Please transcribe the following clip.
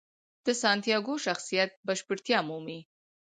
د سانتیاګو شخصیت بشپړتیا مومي.